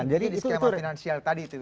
jadi itu itu